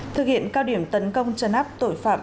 thực hiện cao điểm tấn công chấn áp tội phạm